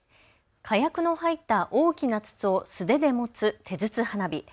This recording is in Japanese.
火薬の入った大きな筒を素手で持つ手筒花火。